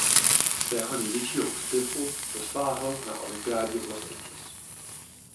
Svého největšího úspěchu dosáhl na olympiádě v Los Angeles.